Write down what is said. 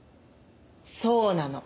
そうなの。